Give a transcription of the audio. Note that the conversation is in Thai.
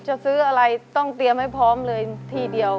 จะซื้ออะไรต้องเตรียมให้พร้อมเลยที่เดียว